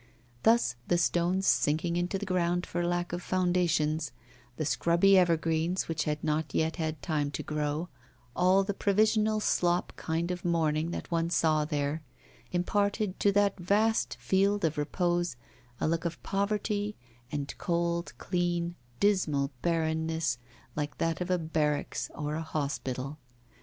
Thus, the stones sinking into the ground for lack of foundations, the scrubby evergreens which had not yet had time to grow, all the provisional slop kind of mourning that one saw there, imparted to that vast field of repose a look of poverty and cold, clean, dismal bareness like that of a barracks or a hospital.